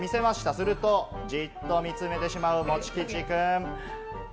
すると、じっと見つめてしまう、もち吉くん。